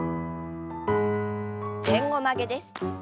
前後曲げです。